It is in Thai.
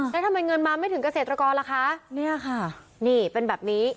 แล้วทำไมเงินมาไม่ถึงเกษตรกรล่ะคะเนี่ยค่ะนี่เป็นแบบนี้